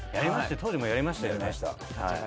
当時もやりましたよね。